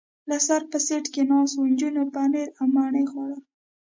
له سره په سېټ کې ناست و، نجونو پنیر او مڼه خوړل.